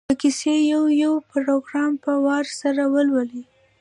د کیسې یو یو پراګراف په وار سره ولولي.